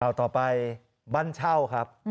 ต่อไปบ้านเช่าครับ